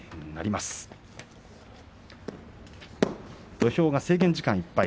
土俵は制限時間いっぱい。